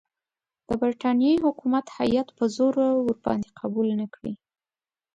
د برټانیې حکومت هیات په زور ورباندې قبول نه کړي.